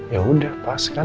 ya udah pas kan